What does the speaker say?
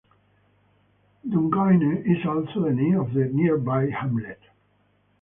Dumgoyne is also the name of a nearby hamlet.